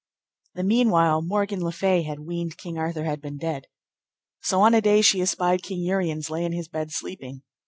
The meanwhile Morgan le Fay had weened King Arthur had been dead. So on a day she espied King Uriens lay in his bed sleeping.